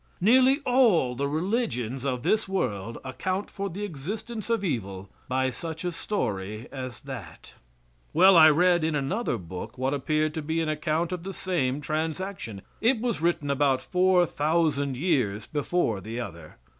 Nearly all the religions of this world account for the existence of evil by such a story as that. Well, I read in another book what appeared to be an account of the same transaction. It was written about four thousand years before the other.